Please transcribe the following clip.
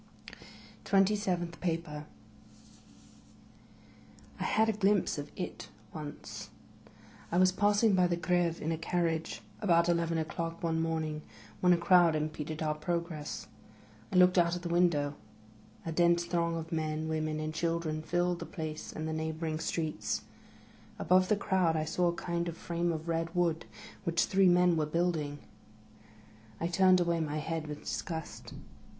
OF A CONDEMNED 79 TWENTY SEVENTH PAPER I HAD a glimpse of it once. I was passing by the Greve in a carriage, about eleven o'clock, one morning, when a crowd impeded our progress. I looked out of the window; a dense throng of men, women, and children filled the place and the neighboring streets. Above the crowd I saw a kind of frame of red wood, which three men were building. I turned away my head with disgust.